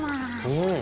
うん。